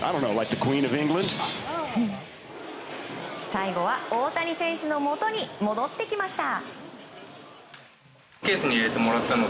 最後は大谷選手のもとに戻ってきました。